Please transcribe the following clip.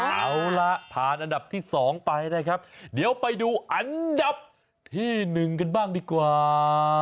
เอาล่ะผ่านอันดับที่๒ไปนะครับเดี๋ยวไปดูอันยับที่๑กันบ้างดีกว่า